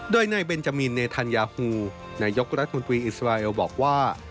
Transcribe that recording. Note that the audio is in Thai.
โดยนายเบนจามินเนธัญญาฟูนายกรัฐมนตรีอิสราเอลบอกว่า